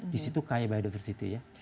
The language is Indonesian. di situ kaya by the diversity ya